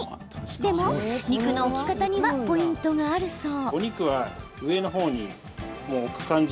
でも、肉の置き方にはポイントがあるそう。